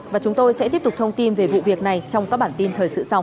và chúng tôi sẽ tiếp tục thông tin về vụ việc này trong các bản tin thời sự sau